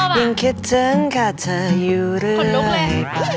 อย่างคิดเทิงขาดเธออยู่เรื่อยไป